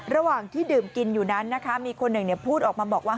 ระหว่างที่ดื่มกินอยู่นั้นนะคะมีคนหนึ่งพูดออกมาบอกว่า